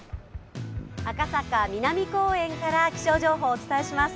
赤坂・南公園から気象情報をお伝えします。